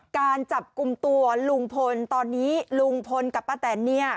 การจับกลุ่มตัวลุงพลตอนนี้ลุงพลกับป้าแตนเนี่ย